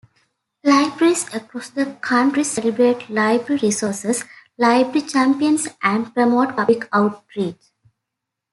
Libraries across the country celebrate library resources, library champions and promote public outreach.